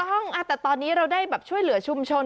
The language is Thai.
ถูกต้องแต่ตอนนี้เราได้แบบช่วยเหลือชุมชน